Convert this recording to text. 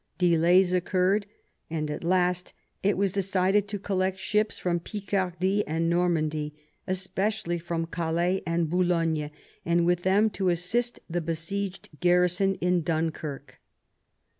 Delays occurred, and at last it was decided to collect ships from Picardy and Normandy, especially from Calais and Boulogne, and with them to assist the besieged garrison in Dunkirk.